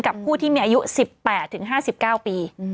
กับผู้ที่มีอายุ๑๘ถึง๕๙ปี